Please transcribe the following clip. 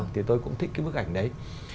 thì tôi cũng thích cái bức ảnh đấy